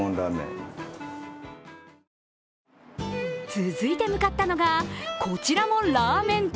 続いて向かったのがこちらもラーメン店。